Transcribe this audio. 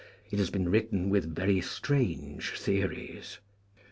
It has been written with very strange theories.